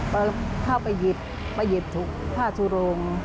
พอเข้าไปหยิบไปหยิบถูกผ้าทรวง